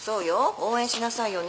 応援しなさいよね。